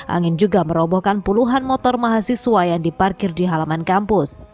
angin juga merobohkan puluhan motor mahasiswa yang diparkir di halaman kampus